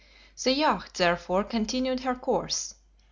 The yacht therefore continued her course.